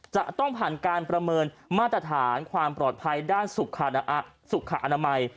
จะต้องผ่านการประเมินมาตรฐานความปลอดภัยด้านสุขอนามัย